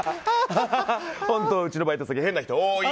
本当にうちのバイト先変な人多い。